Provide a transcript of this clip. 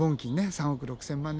３億６，０００万年！